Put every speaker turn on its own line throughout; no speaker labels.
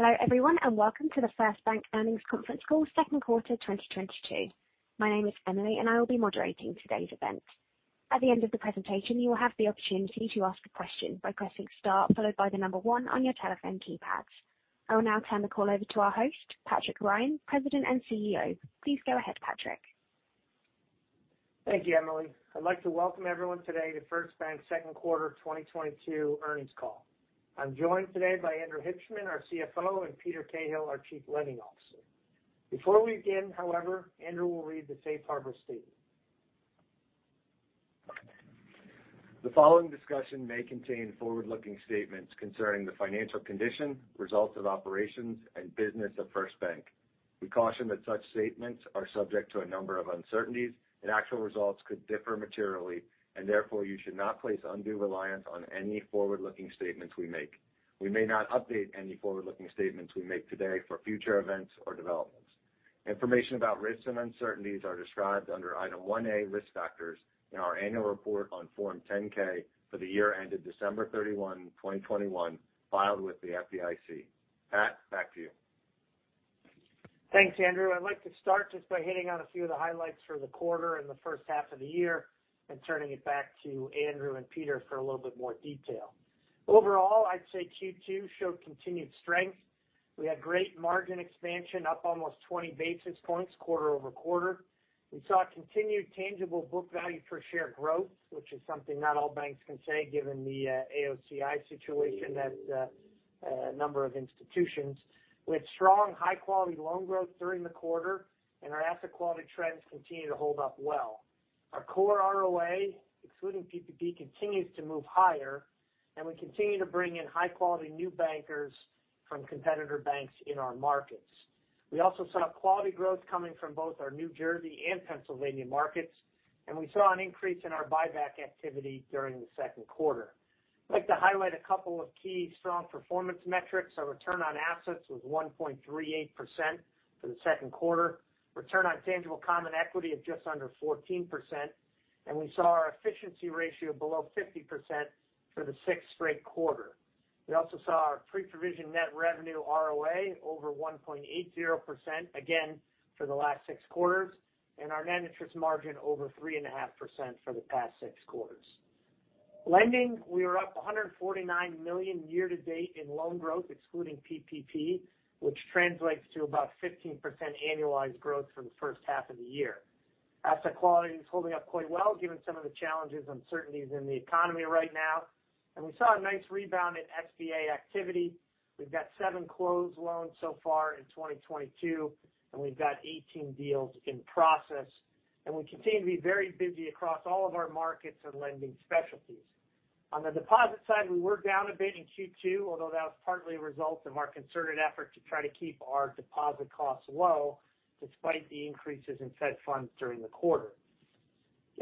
Hello, everyone, and welcome to the First Bank earnings conference call, second quarter 2022. My name is Emily, and I will be moderating today's event. At the end of the presentation, you will have the opportunity to ask a question by pressing Star followed by the number one on your telephone keypads. I will now turn the call over to our host, Patrick Ryan, President and CEO. Please go ahead, Patrick.
Thank you, Emily. I'd like to welcome everyone today to First Bank second quarter 2022 earnings call. I'm joined today by Andrew Hibshman, our CFO, and Peter Cahill, our Chief Lending Officer. Before we begin, however, Andrew will read the Safe Harbor statement.
The following discussion may contain forward-looking statements concerning the financial condition, results of operations, and business of First Bank. We caution that such statements are subject to a number of uncertainties, and actual results could differ materially, and therefore, you should not place undue reliance on any forward-looking statements we make. We may not update any forward-looking statements we make today for future events or developments. Information about risks and uncertainties are described under Item 1A, Risk Factors in our annual report on Form 10-K for the year ended December 31, 2021, filed with the FDIC. Pat, back to you.
Thanks, Andrew. I'd like to start just by hitting on a few of the highlights for the quarter and the first half of the year and turning it back to Andrew and Peter for a little bit more detail. Overall, I'd say Q2 showed continued strength. We had great margin expansion, up almost 20 basis points quarter-over-quarter. We saw continued tangible book value per share growth, which is something not all banks can say given the AOCI situation at a number of institutions. With strong high-quality loan growth during the quarter and our asset quality trends continue to hold up well. Our core ROA, excluding PPP, continues to move higher, and we continue to bring in high-quality new bankers from competitor banks in our markets. We also saw quality growth coming from both our New Jersey and Pennsylvania markets, and we saw an increase in our buyback activity during the second quarter. I'd like to highlight a couple of key strong performance metrics. Our return on assets was 1.38% for the second quarter. Return on tangible common equity is just under 14%, and we saw our efficiency ratio below 50% for the sixth straight quarter. We also saw our Pre-Provision Net Revenue ROA over 1.80%, again, for the last six quarters, and our net interest margin over 3.5% for the past six quarters. Lending, we are up $149 million year to date in loan growth, excluding PPP, which translates to about 15% annualized growth from the first half of the year. Asset quality is holding up quite well, given some of the challenges, uncertainties in the economy right now. We saw a nice rebound in SBA activity. We've got seven closed loans so far in 2022, and we've got 18 deals in process. We continue to be very busy across all of our markets and lending specialties. On the deposit side, we were down a bit in Q2, although that was partly a result of our concerted effort to try to keep our deposit costs low despite the increases in Fed funds during the quarter.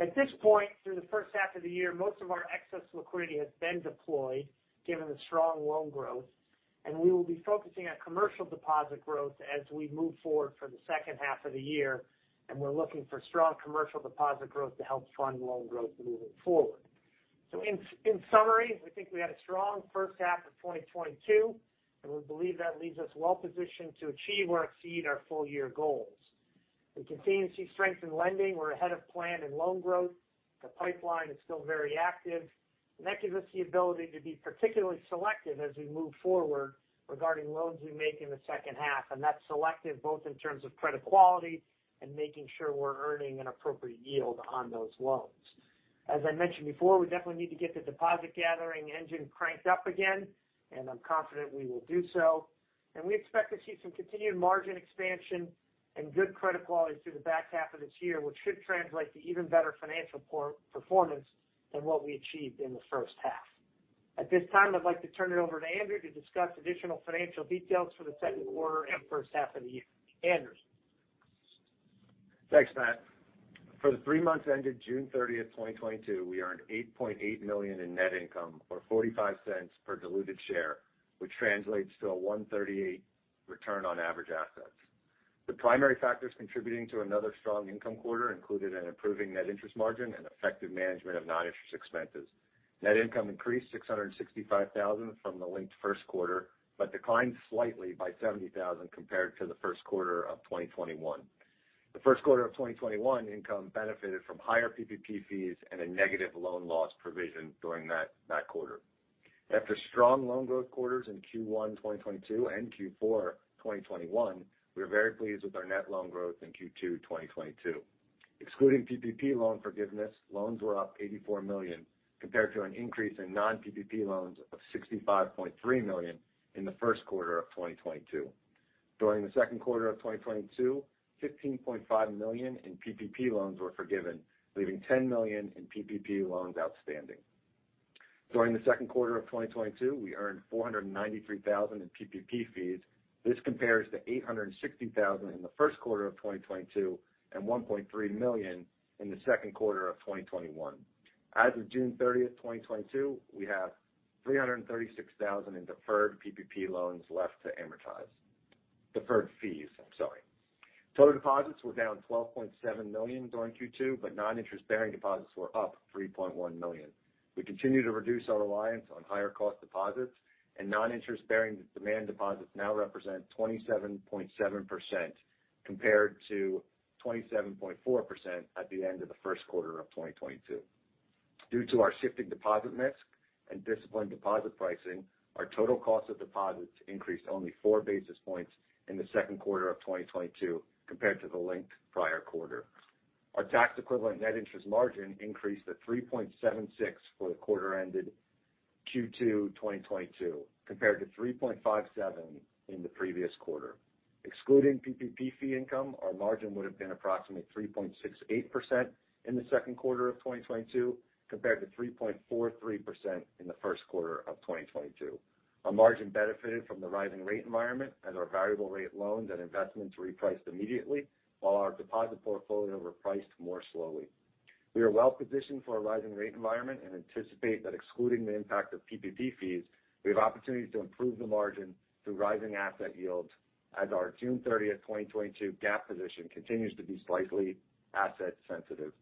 At this point, through the first half of the year, most of our excess liquidity has been deployed given the strong loan growth, and we will be focusing on commercial deposit growth as we move forward for the second half of the year, and we're looking for strong commercial deposit growth to help fund loan growth moving forward. In summary, we think we had a strong first half of 2022, and we believe that leaves us well-positioned to achieve or exceed our full-year goals. We continue to see strength in lending. We're ahead of plan in loan growth. The pipeline is still very active, and that gives us the ability to be particularly selective as we move forward regarding loans we make in the second half. That's selective both in terms of credit quality and making sure we're earning an appropriate yield on those loans. As I mentioned before, we definitely need to get the deposit gathering engine cranked up again, and I'm confident we will do so. We expect to see some continued margin expansion and good credit quality through the back half of this year, which should translate to even better financial performance than what we achieved in the first half. At this time, I'd like to turn it over to Andrew to discuss additional financial details for the second quarter and first half of the year. Andrew.
Thanks, Pat. For the three months ended June 30, 2022, we earned $8.8 million in net income or $0.45 per diluted share, which translates to a 1.38% return on average assets. The primary factors contributing to another strong income quarter included an improving net interest margin and effective management of non-interest expenses. Net income increased $665,000 from the linked first quarter, but declined slightly by $70,000 compared to the first quarter of 2021. The first quarter of 2021 income benefited from higher PPP fees and a negative loan loss provision during that quarter. After strong loan growth quarters in Q1 2022 and Q4 2021, we are very pleased with our net loan growth in Q2 2022. Excluding PPP loan forgiveness, loans were up $84 million compared to an increase in non-PPP loans of $65.3 million in the first quarter of 2022. During the second quarter of 2022, $15.5 million in PPP loans were forgiven, leaving $10 million in PPP loans outstanding. During the second quarter of 2022, we earned $493 thousand in PPP fees. This compares to $860 thousand in the first quarter of 2022 and $1.3 million in the second quarter of 2021. As of June 30th, 2022, we have $336 thousand in deferred fees left to amortize. I'm sorry. Total deposits were down $12.7 million during Q2, but non-interest-bearing deposits were up $3.1 million. We continue to reduce our reliance on higher cost deposits and non-interest-bearing demand deposits now represent 27.7% compared to 27.4% at the end of the first quarter of 2022. Due to our shifting deposit mix and disciplined deposit pricing, our total cost of deposits increased only 4 basis points in the second quarter of 2022 compared to the linked prior quarter. Our tax equivalent net interest margin increased to 3.76% for the quarter ended Q2 2022 compared to 3.57% in the previous quarter. Excluding PPP fee income, our margin would have been approximately 3.68% in the second quarter of 2022 compared to 3.43% in the first quarter of 2022. Our margin benefited from the rising rate environment as our variable rate loans and investments repriced immediately, while our deposit portfolio were priced more slowly. We are well positioned for a rising rate environment and anticipate that excluding the impact of PPP fees, we have opportunities to improve the margin through rising asset yields as our June 30, 2022 GAAP position continues to be slightly asset sensitive.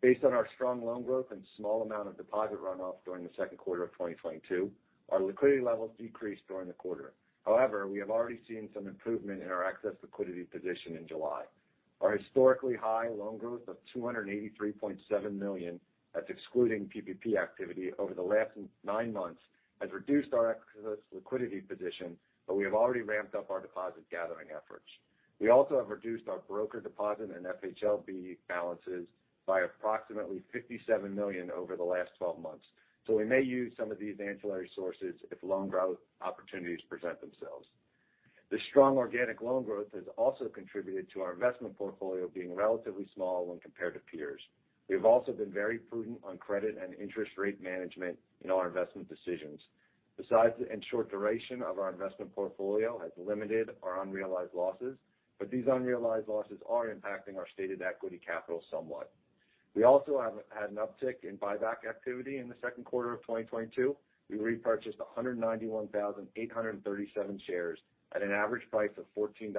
Based on our strong loan growth and small amount of deposit runoff during the second quarter of 2022, our liquidity levels decreased during the quarter. However, we have already seen some improvement in our excess liquidity position in July. Our historically high loan growth of $283.7 million, that's excluding PPP activity over the last nine months, has reduced our excess liquidity position, but we have already ramped up our deposit gathering efforts. We also have reduced our broker deposit and FHLB balances by approximately $57 million over the last 12 months. We may use some of these ancillary sources if loan growth opportunities present themselves. The strong organic loan growth has also contributed to our investment portfolio being relatively small when compared to peers. We have also been very prudent on credit and interest rate management in our investment decisions. The size and short duration of our investment portfolio has limited our unrealized losses, but these unrealized losses are impacting our stated equity capital somewhat. We also have had an uptick in buyback activity in the second quarter of 2022. We repurchased 191,837 shares at an average price of $14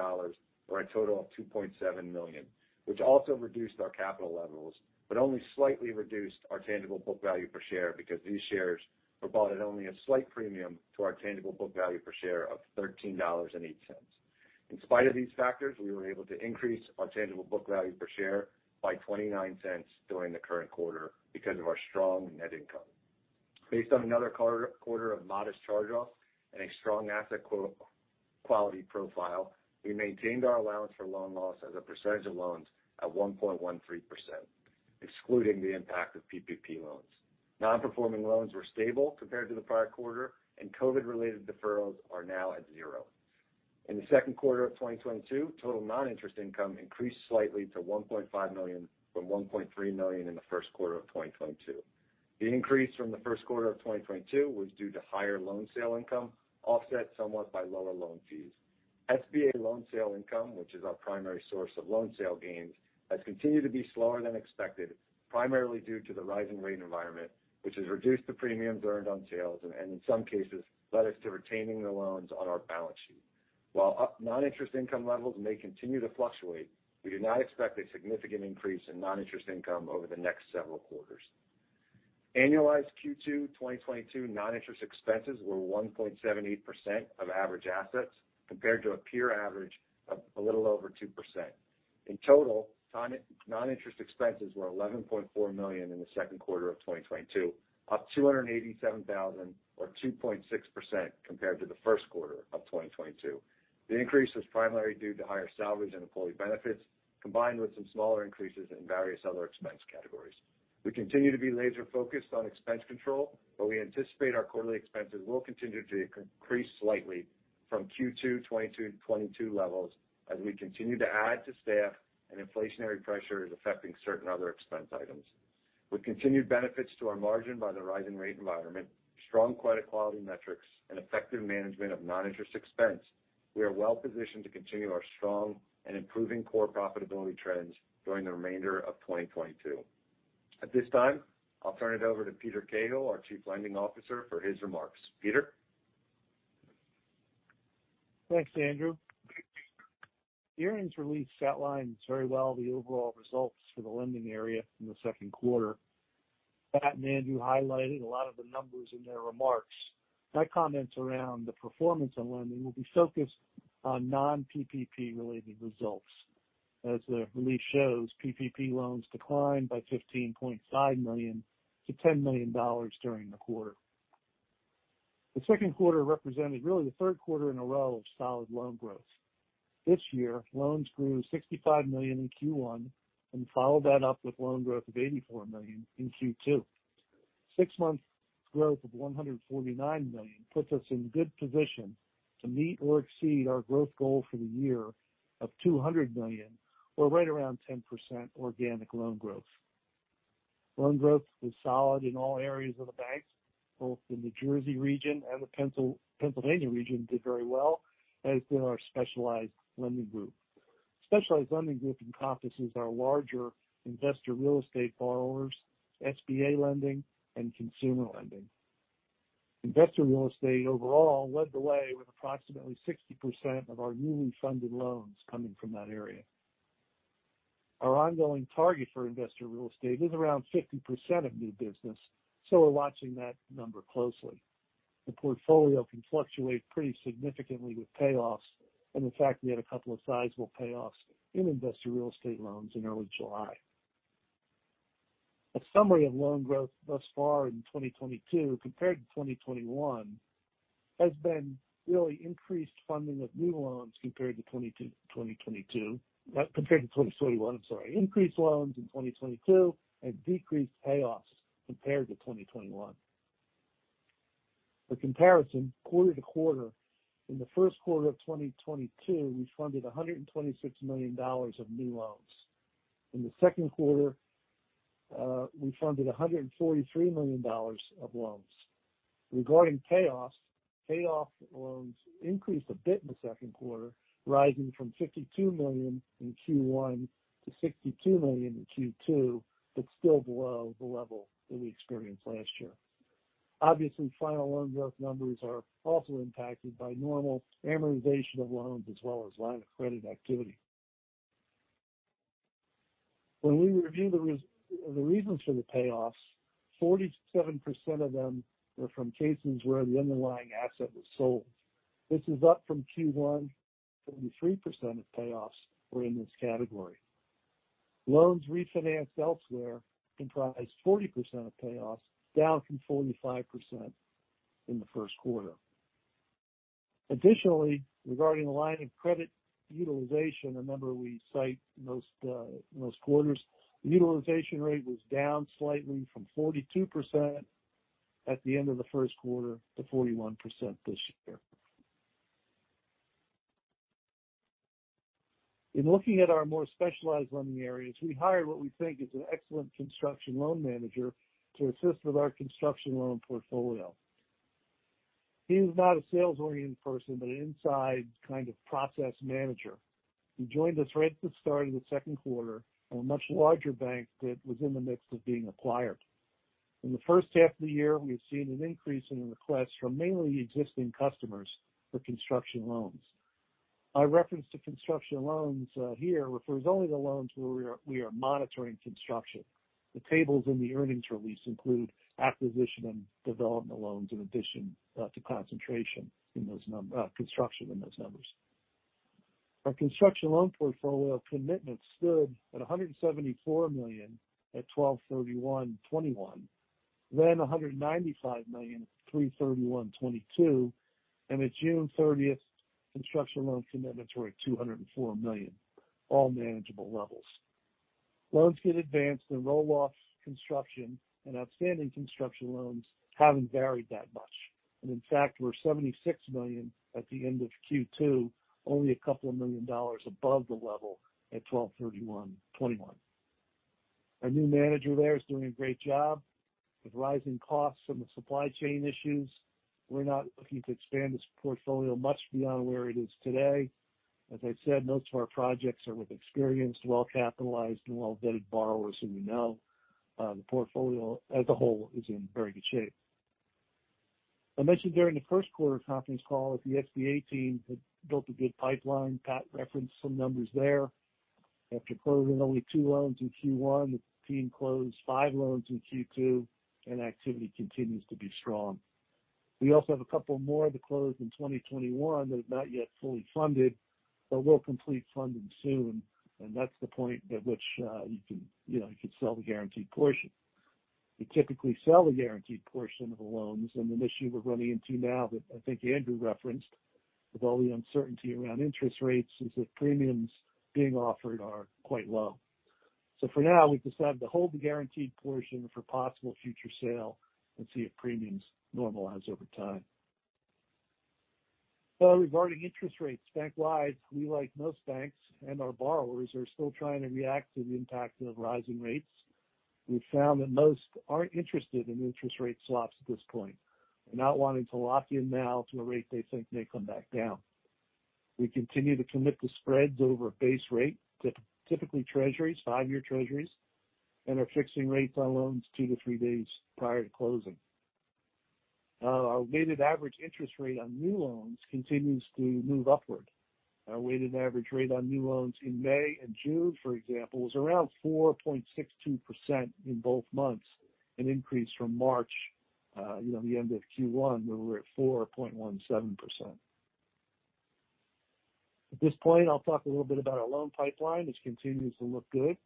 for a total of $2.7 million, which also reduced our capital levels, but only slightly reduced our tangible book value per share because these shares were bought at only a slight premium to our tangible book value per share of $13.08. In spite of these factors, we were able to increase our tangible book value per share by $0.29 during the current quarter because of our strong net income. Based on another quarter of modest charge-offs and a strong asset quality profile, we maintained our allowance for loan losses as a percentage of loans at 1.13%, excluding the impact of PPP loans. Non-performing loans were stable compared to the prior quarter, and COVID-related deferrals are now at zero. In the second quarter of 2022, total non-interest income increased slightly to $1.5 million from $1.3 million in the first quarter of 2022. The increase from the first quarter of 2022 was due to higher loan sale income, offset somewhat by lower loan fees. SBA loan sale income, which is our primary source of loan sale gains, has continued to be slower than expected, primarily due to the rising rate environment, which has reduced the premiums earned on sales and, in some cases, led us to retaining the loans on our balance sheet. While non-interest income levels may continue to fluctuate, we do not expect a significant increase in non-interest income over the next several quarters. Annualized Q2 2022 non-interest expenses were 1.78% of average assets, compared to a peer average of a little over 2%. In total, non-interest expenses were $11.4 million in the second quarter of 2022, up $287,000 or 2.6% compared to the first quarter of 2022. The increase was primarily due to higher salaries and employee benefits, combined with some smaller increases in various other expense categories. We continue to be laser-focused on expense control, but we anticipate our quarterly expenses will continue to increase slightly from Q2 2022 levels as we continue to add to staff and inflationary pressure is affecting certain other expense items. With continued benefits to our margin by the rising rate environment, strong credit quality metrics and effective management of non-interest expense, we are well positioned to continue our strong and improving core profitability trends during the remainder of 2022. At this time, I'll turn it over to Peter Cahill, our Chief Lending Officer, for his remarks. Peter?
Thanks, Andrew. The earnings release outlines very well the overall results for the lending area in the second quarter. Pat and Andrew highlighted a lot of the numbers in their remarks. My comments around the performance on lending will be focused on non-PPP related results. As the release shows, PPP loans declined by $15.5 million to $10 million during the quarter. The second quarter represented really the third quarter in a row of solid loan growth. This year, loans grew $65 million in Q1 and followed that up with loan growth of $84 million in Q2. Six months growth of $149 million puts us in good position to meet or exceed our growth goal for the year of $200 million or right around 10% organic loan growth. Loan growth was solid in all areas of the banks, both the New Jersey region and the Pennsylvania region did very well, as did our specialized lending group. Specialized lending group encompasses our larger investor real estate borrowers, SBA lending and consumer lending. Investor real estate overall led the way with approximately 60% of our newly funded loans coming from that area. Our ongoing target for investor real estate is around 50% of new business, so we're watching that number closely. The portfolio can fluctuate pretty significantly with payoffs, and in fact, we had a couple of sizable payoffs in investor real estate loans in early July. A summary of loan growth thus far in 2022 compared to 2021 has been really increased funding of new loans compared to 2022. Compared to 2021, I'm sorry. Increased loans in 2022 and decreased payoffs compared to 2021. For comparison, quarter to quarter, in the first quarter of 2022, we funded $126 million of new loans. In the second quarter, we funded $143 million of loans. Regarding payoffs, payoff loans increased a bit in the second quarter, rising from $52 million in Q1 to $62 million in Q2, but still below the level that we experienced last year. Obviously, final loan growth numbers are also impacted by normal amortization of loans as well as line of credit activity. When we review the reasons for the payoffs, 47% of them were from cases where the underlying asset was sold. This is up from Q1, 33% of payoffs were in this category. Loans refinanced elsewhere comprised 40% of payoffs, down from 45% in the first quarter. Additionally, regarding line of credit utilization, remember we cite most quarters, the utilization rate was down slightly from 42% at the end of the first quarter to 41% this year. In looking at our more specialized lending areas, we hired what we think is an excellent construction loan manager to assist with our construction loan portfolio. He is not a sales-oriented person, but an inside kind of process manager. He joined us right at the start of the second quarter from a much larger bank that was in the midst of being acquired. In the first half of the year, we have seen an increase in requests from mainly existing customers for construction loans. Our reference to construction loans here refers only to loans where we are monitoring construction. The tables in the earnings release include acquisition and development loans in addition to concentration in those, construction, in those numbers. Our construction loan portfolio of commitments stood at $174 million at 12/31/2021, then $195 million at 3/31/2022, and at June 30, construction loan commitments were at $204 million, all manageable levels. Loans get advanced and roll off construction, and outstanding construction loans haven't varied that much. In fact, we're $76 million at the end of Q2, only a couple of million dollars above the level at 12/31/2021. Our new manager there is doing a great job. With rising costs and the supply chain issues, we're not looking to expand this portfolio much beyond where it is today. As I said, most of our projects are with experienced, well-capitalized and well-vetted borrowers who we know. The portfolio as a whole is in very good shape. I mentioned during the first quarter conference call that the SBA team had built a good pipeline. Pat referenced some numbers there. After closing only two loans in Q1, the team closed five loans in Q2, and activity continues to be strong. We also have a couple more to close in 2021 that are not yet fully funded, but we'll complete funding soon, and that's the point at which you can, you know, you can sell the guaranteed portion. We typically sell the guaranteed portion of the loans, and an issue we're running into now that I think Andrew referenced with all the uncertainty around interest rates is that premiums being offered are quite low. For now, we've decided to hold the guaranteed portion for possible future sale and see if premiums normalize over time. Regarding interest rates bank-wide, we like most banks and our borrowers, are still trying to react to the impact of rising rates. We've found that most aren't interested in interest rate swaps at this point. They're not wanting to lock in now to a rate they think may come back down. We continue to commit to spreads over a base rate to typically Treasuries, five year Treasuries, and are fixing rates on loans two to three days prior to closing. Now our weighted average interest rate on new loans continues to move upward. Our weighted average rate on new loans in May and June, for example, was around 4.62% in both months, an increase from March, you know, the end of Q1, where we're at 4.17%. At this point, I'll talk a little bit about our loan pipeline, which continues to look good.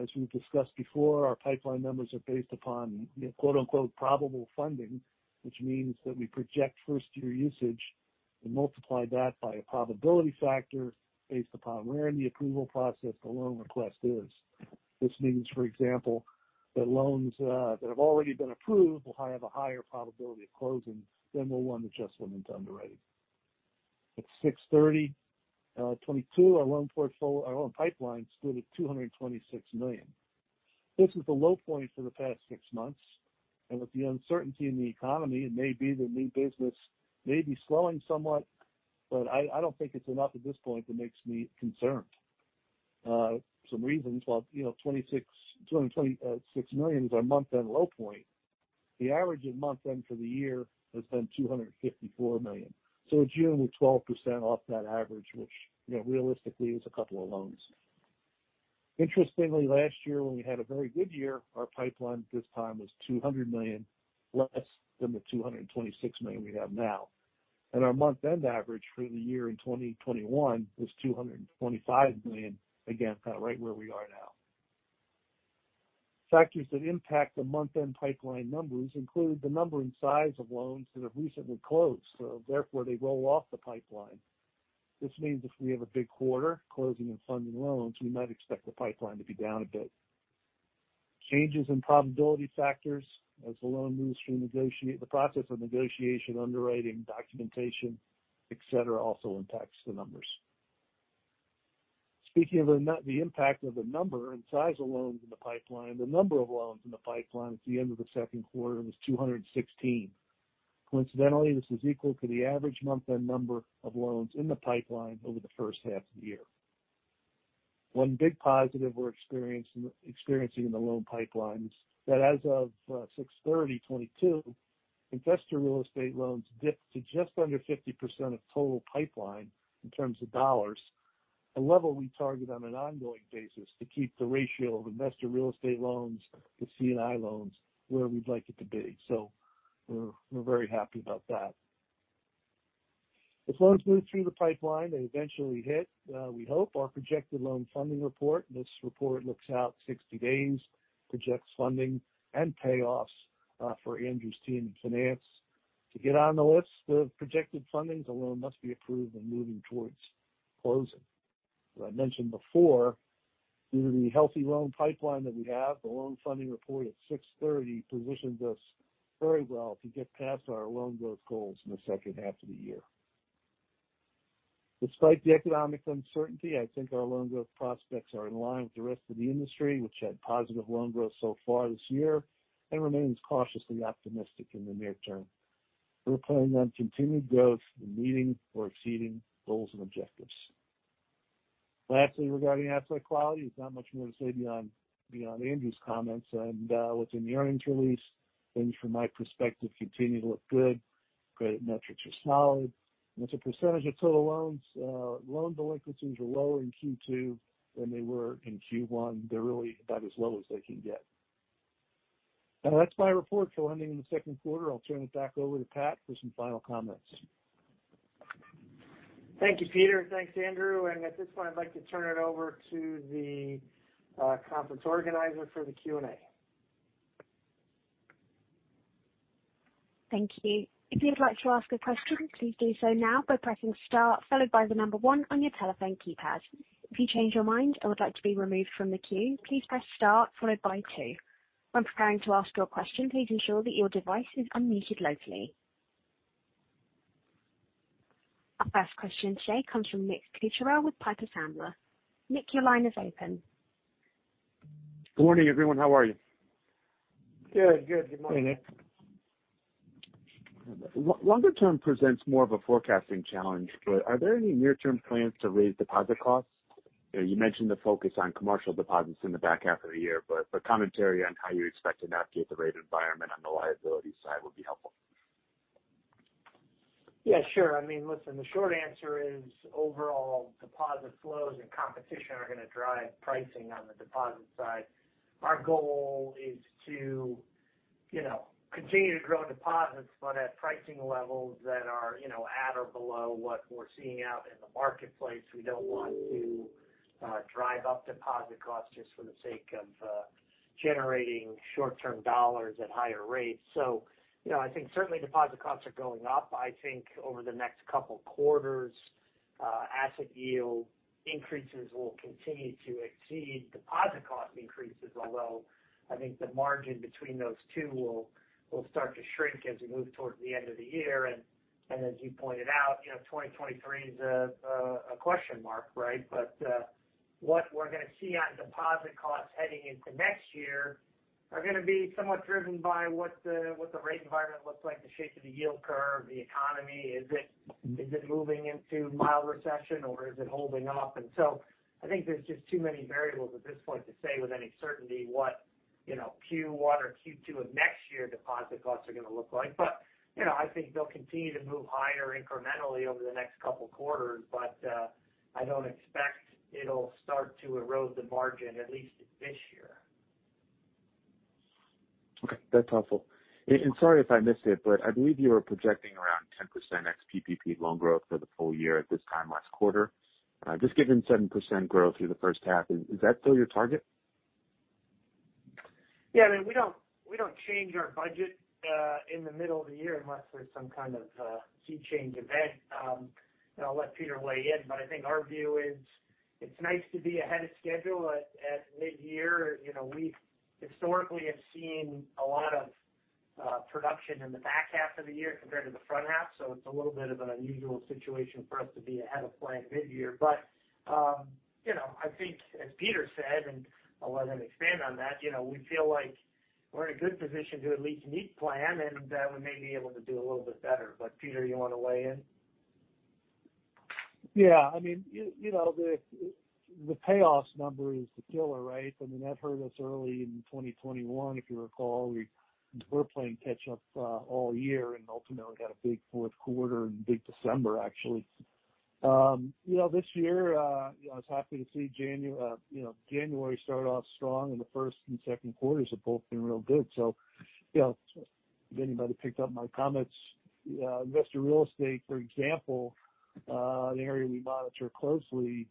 As we've discussed before, our pipeline numbers are based upon quote unquote probable funding, which means that we project first year usage and multiply that by a probability factor based upon where in the approval process the loan request is. This means, for example, that loans that have already been approved will have a higher probability of closing than will one that just went into underwriting. At 6/30/2022, our loan pipeline stood at $226 million. This is the low point for the past six months, and with the uncertainty in the economy, it may be that new business may be slowing somewhat, but I don't think it's enough at this point that makes me concerned. Some reasons why, you know, $226 million is our month-end low point. The average at month-end for the year has been $254 million. So it's generally 12% off that average, which, you know, realistically is a couple of loans. Interestingly, last year when we had a very good year, our pipeline at this time was $200 million, less than the $226 million we have now. Our month-end average for the year in 2021 was $225 million, again, kind of right where we are now. Factors that impact the month-end pipeline numbers include the number and size of loans that have recently closed, so therefore they roll off the pipeline. This means if we have a big quarter closing and funding loans, we might expect the pipeline to be down a bit. Changes in probability factors as the loan moves through the process of negotiation, underwriting, documentation, et cetera, also impacts the numbers. Speaking of the impact of the number and size of loans in the pipeline, the number of loans in the pipeline at the end of the second quarter was 216. Coincidentally, this is equal to the average month-end number of loans in the pipeline over the first half of the year. One big positive we're experiencing in the loan pipeline is that as of June 30, 2022, investor real estate loans dipped to just under 50% of total pipeline in terms of dollars. A level we target on an ongoing basis to keep the ratio of investor real estate loans to C&I loans where we'd like it to be. We're very happy about that. As loans move through the pipeline, they eventually hit, we hope, our projected loan funding report. This report looks out 60 days, projects funding and payoffs for Andrew's team in finance. To get on the list of projected fundings, a loan must be approved and moving towards closing. As I mentioned before, due to the healthy loan pipeline that we have, the loan funding report at 6:30 positioned us very well to get past our loan growth goals in the second half of the year. Despite the economic uncertainty, I think our loan growth prospects are in line with the rest of the industry, which had positive loan growth so far this year and remains cautiously optimistic in the near term. We're planning on continued growth and meeting or exceeding goals and objectives. Lastly, regarding asset quality, there's not much more to say beyond Andrew's comments and what's in the earnings release. Things from my perspective continue to look good. Credit metrics are solid. As a percentage of total loans, loan delinquencies were lower in Q2 than they were in Q1. They're really about as low as they can get. That's my report for lending in the second quarter. I'll turn it back over to Pat for some final comments.
Thank you, Peter. Thanks, Andrew. At this point, I'd like to turn it over to the conference organizer for the Q&A.
Thank you. If you'd like to ask a question, please do so now by pressing Star followed by the number one on your telephone keypad. If you change your mind and would like to be removed from the queue, please press Star followed by two. When preparing to ask your question, please ensure that your device is unmuted locally. Our first question today comes from Nick Cucharale with Piper Sandler. Nick, your line is open.
Good morning, everyone. How are you?
Good morning, Nick.
Longer term presents more of a forecasting challenge, but are there any near-term plans to raise deposit costs? You know, you mentioned the focus on commercial deposits in the back half of the year, but commentary on how you expect to navigate the rate environment on the liability side would be helpful.
Yeah, sure. I mean, listen, the short answer is overall deposit flows and competition are gonna drive pricing on the deposit side. Our goal is to, you know, continue to grow deposits, but at pricing levels that are, you know, at or below what we're seeing out in the marketplace. We don't want to drive up deposit costs just for the sake of generating short-term dollars at higher rates. So, you know, I think certainly deposit costs are going up. I think over the next couple quarters, asset yield increases will continue to exceed deposit cost increases, although I think the margin between those two will start to shrink as we move towards the end of the year. As you pointed out, you know, 2023 is a question mark, right? What we're gonna see on deposit costs heading into next year are gonna be somewhat driven by what the rate environment looks like, the shape of the yield curve, the economy. Is it moving into mild recession or is it holding up? I think there's just too many variables at this point to say with any certainty what, you know, Q1 or Q2 of next year deposit costs are gonna look like. You know, I think they'll continue to move higher incrementally over the next couple quarters, but I don't expect it'll start to erode the margin at least this year.
Okay. That's helpful. Sorry if I missed it, but I believe you were projecting around 10% ex-PPP loan growth for the full year at this time last quarter. Just given 7% growth through the first half, is that still your target?
Yeah. I mean, we don't change our budget in the middle of the year unless there's some kind of a sea change event. I'll let Peter weigh in, but I think our view is it's nice to be ahead of schedule at mid-year. You know, we historically have seen a lot of production in the back half of the year compared to the front half. It's a little bit of an unusual situation for us to be ahead of plan mid-year. You know, I think as Peter said, and I'll let him expand on that, you know, we feel like we're in a good position to at least meet plan, and we may be able to do a little bit better. Peter, you wanna weigh in?
Yeah. I mean, you know, the payoffs number is the killer, right? I mean, that hurt us early in 2021, if you recall. We're playing catch up all year and ultimately had a big fourth quarter and big December, actually. You know, this year, I was happy to see January start off strong, and the first and second quarters have both been real good. You know, if anybody picked up my comments, investor real estate, for example, an area we monitor closely,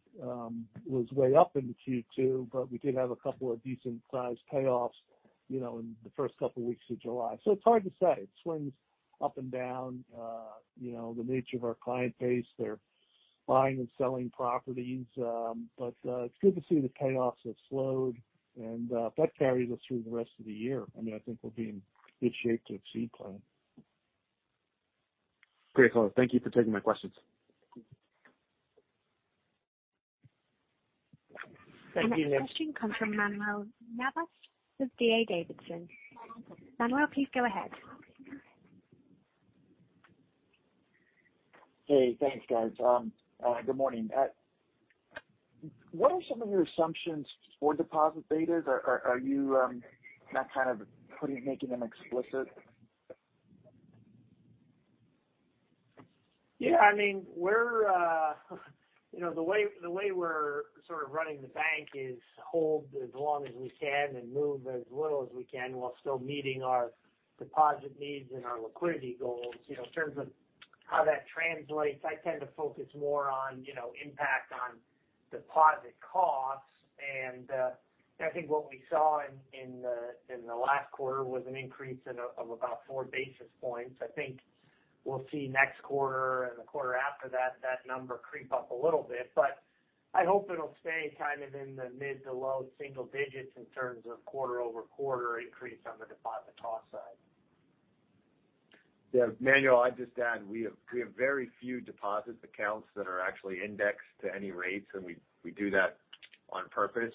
was way up into Q2, but we did have a couple of decent sized payoffs, you know, in the first couple weeks of July. It's hard to say. It swings up and down, you know, the nature of our client base, they're buying and selling properties. It's good to see the payoffs have slowed and that carries us through the rest of the year. I mean, I think we'll be in good shape to exceed plan.
Great. Well, thank you for taking my questions.
Thank you.
Thank you.
The next question comes from Manuel Navas with D.A. Davidson. Manuel, please go ahead.
Hey. Thanks, guys. Good morning. What are some of your assumptions for deposit betas? Are you not kind of making them explicit?
Yeah. I mean, we're you know, the way we're sort of running the bank is hold as long as we can and move as little as we can while still meeting our deposit needs and our liquidity goals. You know, in terms of how that translates, I tend to focus more on you know, impact on deposit costs. I think what we saw in the last quarter was an increase of about 4 basis points. I think we'll see next quarter and the quarter after that number creep up a little bit. I hope it'll stay kind of in the mid- to low-single digits in terms of quarter-over-quarter increase on the deposit cost side.
Yeah. Manuel, I'd just add, we have very few deposit accounts that are actually indexed to any rates, and we do that on purpose.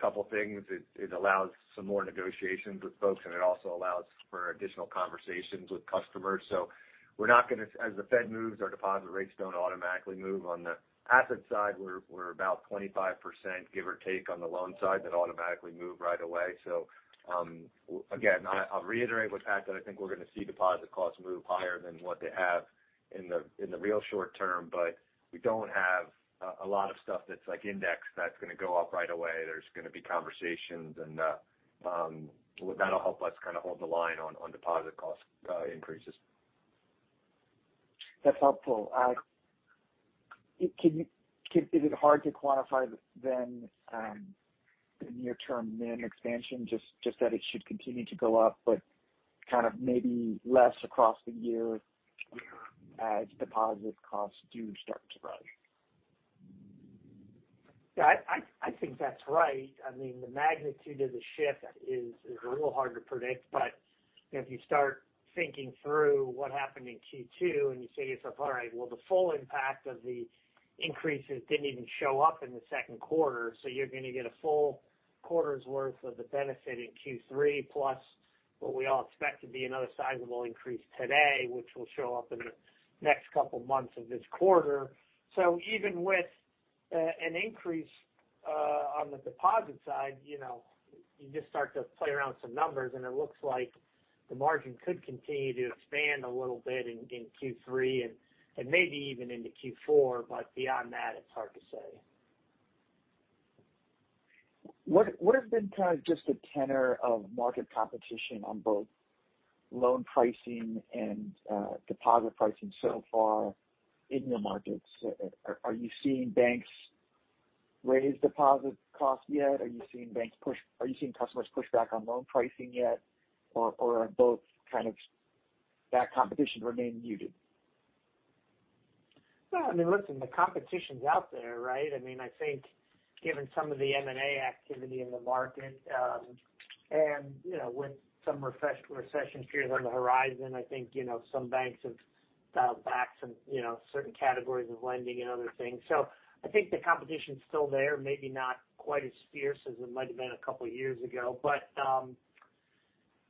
Couple things. It allows some more negotiations with folks, and it also allows for additional conversations with customers. As the Fed moves, our deposit rates don't automatically move. On the asset side, we're about 25%, give or take, on the loan side that automatically move right away. Again, I'll reiterate what Pat said. I think we're gonna see deposit costs move higher than what they have in the real short term, but we don't have a lot of stuff that's like indexed that's gonna go up right away. There's gonna be conversations and, well, that'll help us kind of hold the line on deposit cost increases.
That's helpful. Is it hard to quantify then, the near term NIM expansion? Just that it should continue to go up but kind of maybe less across the year as deposit costs do start to rise.
Yeah. I think that's right. I mean, the magnitude of the shift is a little hard to predict. If you start thinking through what happened in Q2 and you say to yourself, all right, well, the full impact of the increases didn't even show up in the second quarter, so you're gonna get a full quarter's worth of the benefit in Q3, plus what we all expect to be another sizable increase today, which will show up in the next couple months of this quarter. Even with an increase on the deposit side, you know, you just start to play around with some numbers, and it looks like the margin could continue to expand a little bit in Q3 and maybe even into Q4. Beyond that, it's hard to say.
What has been kind of just the tenor of market competition on both loan pricing and deposit pricing so far in your markets? Are you seeing banks raise deposit costs yet? Are you seeing customers push back on loan pricing yet? Or are both kind of that competition remain muted?
Well, I mean, listen, the competition's out there, right? I mean, I think given some of the M&A activity in the market, and, you know, with some recession fears on the horizon, I think, you know, some banks have dialed back some, you know, certain categories of lending and other things. I think the competition's still there, maybe not quite as fierce as it might have been a couple years ago.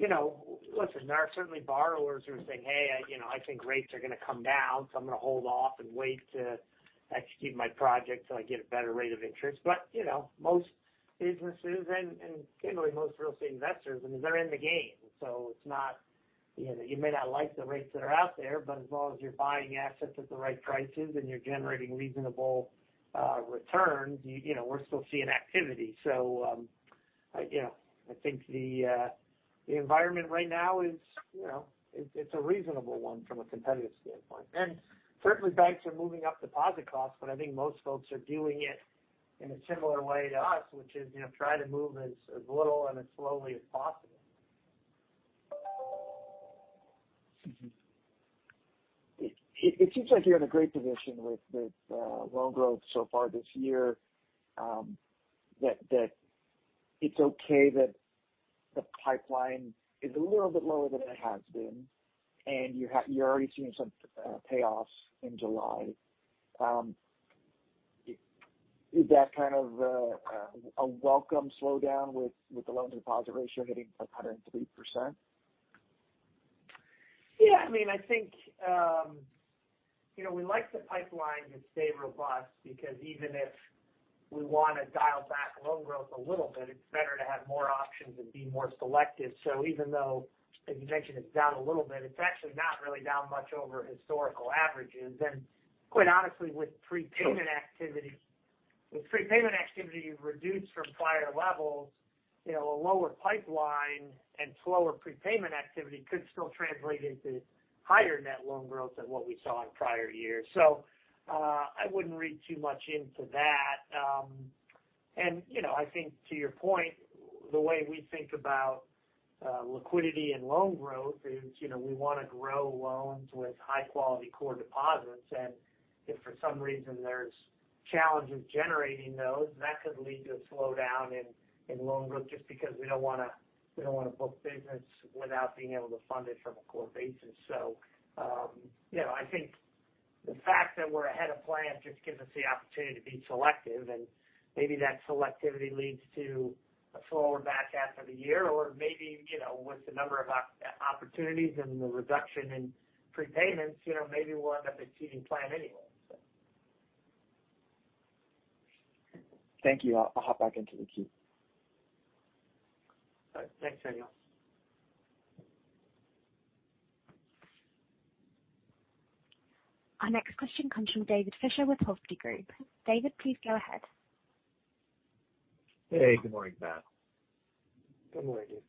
You know, listen, there are certainly borrowers who are saying, "Hey, I, you know, I think rates are gonna come down, so I'm gonna hold off and wait to execute my project till I get a better rate of interest." You know, most businesses and generally most real estate investors, I mean, they're in the game. It's not, you know, you may not like the rates that are out there, but as long as you're buying assets at the right prices and you're generating reasonable returns, you know, we're still seeing activity. I you know I think the environment right now is, you know, it's a reasonable one from a competitive standpoint. Certainly banks are moving up deposit costs, but I think most folks are doing it in a similar way to us, which is, you know, try to move as little and as slowly as possible.
It seems like you're in a great position with loan growth so far this year, that it's okay that the pipeline is a little bit lower than it has been, and you're already seeing some payoffs in July. Is that kind of a welcome slowdown with the loan-to-deposit ratio hitting 103%?
Yeah, I mean, I think, you know, we like the pipeline to stay robust because even if we wanna dial back loan growth a little bit, it's better to have more options and be more selective. Even though, as you mentioned, it's down a little bit, it's actually not really down much over historical averages. Quite honestly, with prepayment activity reduced from prior levels, you know, a lower pipeline and slower prepayment activity could still translate into higher net loan growth than what we saw in prior years. I wouldn't read too much into that. You know, I think to your point, the way we think about liquidity and loan growth is, you know, we wanna grow loans with high quality core deposits. If for some reason there's challenge of generating those, that could lead to a slowdown in loan growth just because we don't wanna book business without being able to fund it from a core basis. You know, I think the fact that we're ahead of plan just gives us the opportunity to be selective, and maybe that selectivity leads to a slower back half of the year or maybe, you know, with the number of opportunities and the reduction in prepayments, you know, maybe we'll end up exceeding plan anyway, so.
Thank you. I'll hop back into the queue.
All right. Thanks, Manuel Navas.
Our next question comes from David Bishop with Hovde Group. David, please go ahead.
Hey, good morning, Pat.
Good morning, Dave.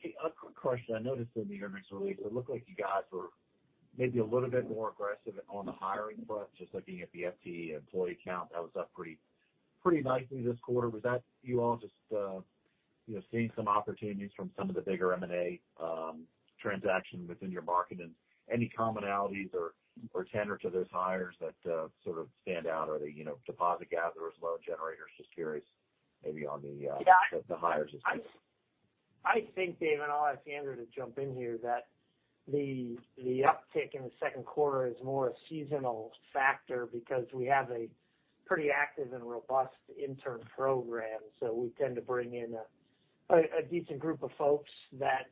Hey, a quick question. I noticed in the earnings release it looked like you guys were maybe a little bit more aggressive on the hiring front. Just looking at the FTE employee count, that was up pretty nicely this quarter. Was that you all just, you know, seeing some opportunities from some of the bigger M&A transactions within your market? Any commonalities or tenor to those hires that sort of stand out? Are they, you know, deposit gatherers, loan generators? Just curious maybe on the,
Yeah.
The hires this quarter.
I think, Dave, and I'll ask Andrew to jump in here, that the uptick in the second quarter is more a seasonal factor because we have a pretty active and robust intern program. We tend to bring in a decent group of folks that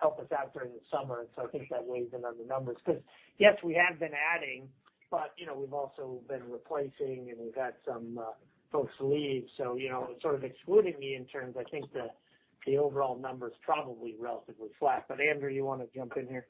help us out during the summer. I think that weighs in on the numbers because, yes, we have been adding, but, you know, we've also been replacing and we've had some folks leave. You know, sort of excluding the interns, I think the overall number's probably relatively flat. Andrew, you wanna jump in here?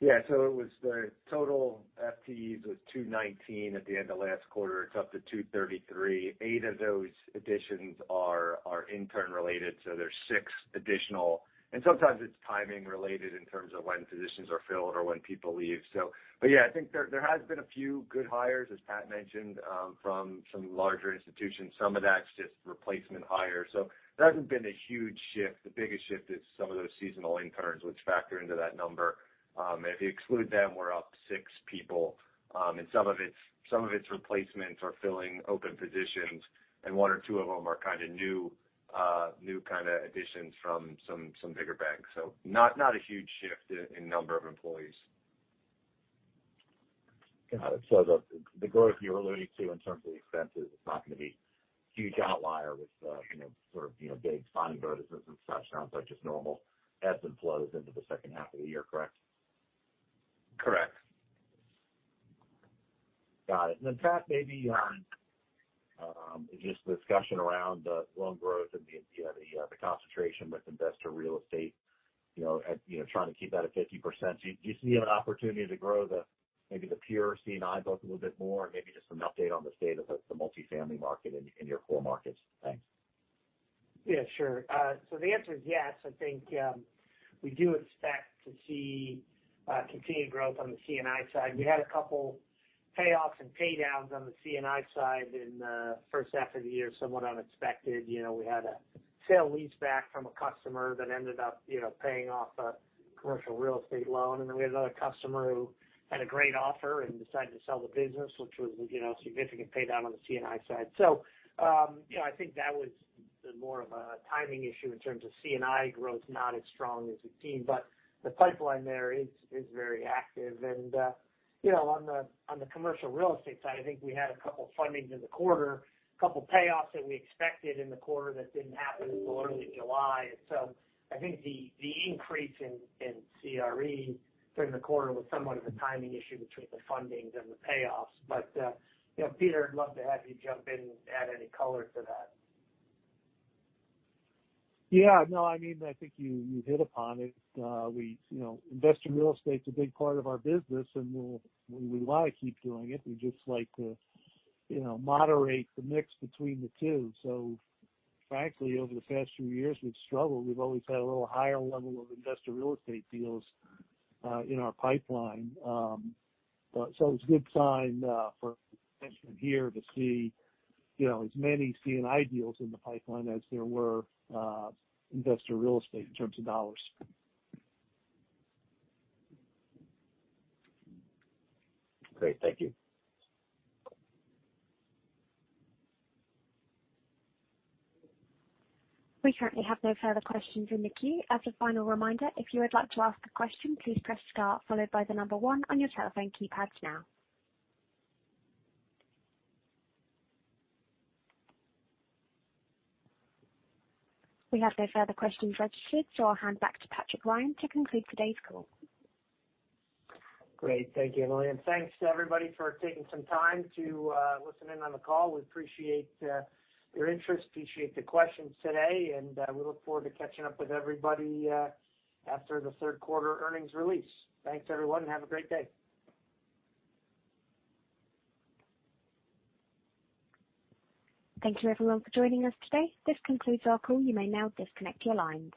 Yeah. It was the total FTEs was 219 at the end of last quarter, it's up to 233. Eight of those additions are intern related, so there's six additional. Sometimes it's timing related in terms of when positions are filled or when people leave. Yeah, I think there has been a few good hires, as Pat mentioned, from some larger institutions. Some of that's just replacement hires. There hasn't been a huge shift. The biggest shift is some of those seasonal interns which factor into that number. If you exclude them, we're up six people. Some of it's replacements or filling open positions, and one or two of them are kind of new kinda additions from some bigger banks. Not a huge shift in number of employees.
Got it. The growth you're alluding to in terms of the expenses is not gonna be huge outlier with, you know, sort of, you know, big signing bonuses and such. Sounds like just normal ebbs and flows into the second half of the year, correct?
Correct.
Got it. Pat, maybe just the discussion around the loan growth and the concentration with investor real estate, you know, trying to keep that at 50%. Do you see an opportunity to grow the, maybe the pure C&I book a little bit more? Maybe just an update on the state of the multifamily market in your core markets. Thanks.
Yeah, sure. The answer is yes. I think we do expect to see continued growth on the C&I side. We had a couple payoffs and pay downs on the C&I side in the first half of the year, somewhat unexpected. You know, we had a sale leaseback from a customer that ended up, you know, paying off a commercial real estate loan. We had another customer who had a great offer and decided to sell the business, which was, you know, a significant pay down on the C&I side. You know, I think that was more of a timing issue in terms of C&I growth, not as strong as we've seen. The pipeline there is very active. You know, on the commercial real estate side, I think we had a couple fundings in the quarter, a couple payoffs that we expected in the quarter that didn't happen until early July. I think the increase in CRE during the quarter was somewhat of a timing issue between the fundings and the payoffs. You know, Peter, I'd love to have you jump in and add any color to that.
Yeah. No, I mean, I think you hit upon it. We, you know, investor real estate's a big part of our business, and we want to keep doing it. We'd just like to, you know, moderate the mix between the two. Frankly, over the past few years, we've struggled. We've always had a little higher level of investor real estate deals in our pipeline. It's a good sign for management here to see, you know, as many C&I deals in the pipeline as there were investor real estate in terms of dollars.
Great. Thank you.
We currently have no further questions in the queue. As a final reminder, if you would like to ask a question, please press star followed by the number one on your telephone keypads now. We have no further questions registered, so I'll hand back to Patrick Ryan to conclude today's call.
Great. Thank you, Emily. Thanks to everybody for taking some time to listen in on the call. We appreciate your interest, appreciate the questions today, and we look forward to catching up with everybody after the third quarter earnings release. Thanks, everyone, and have a great day.
Thank you everyone for joining us today. This concludes our call. You may now disconnect your lines.